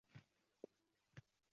Yo'qsa, shunday bo'larmidi?